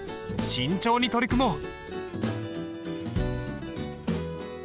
慎重に取り組もう。